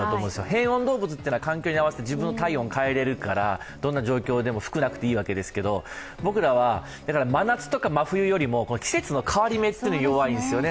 変温動物というのは環境に合わせて体温を変えられるからどんな状況でも、僕らは真夏とか真冬よりも季節の変わり目って弱いんですよね。